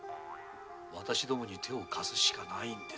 私どもに手を貸すしかないのです。